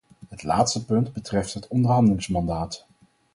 Het laatste punt betreft het onderhandelingsmandaat.